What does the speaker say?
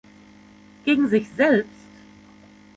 Gegen sich selbst?